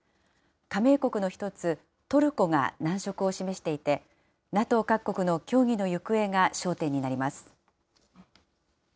加盟国の一つ、トルコが難色を示していて、ＮＡＴＯ各国の協議の行方が焦点になります。